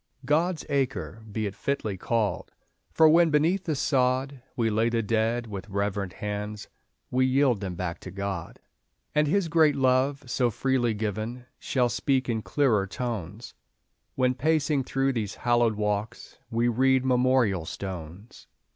"God's Acre" be it fitly called, For when, beneath the sod, We lay the dead with reverent hands, We yield them back to God. And His great love, so freely given, Shall speak in clearer tones, When, pacing through these hallowed walks, We read memorial stones.